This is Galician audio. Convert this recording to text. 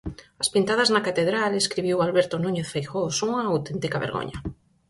As pintadas na catedral, escribiu Alberto Núñez Feijóo, son unha auténtica vergoña.